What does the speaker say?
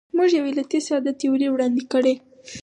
موږ یو علتي ساده تیوري وړاندې کړې.